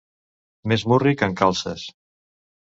Més murri que en Calces.